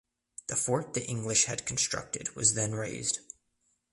The fort the English had constructed was then razed.